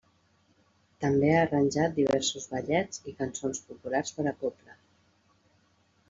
També ha arranjat diversos ballets i cançons populars per a cobla.